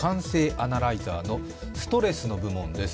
アナライザのストレスの部門です。